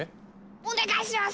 お願いします！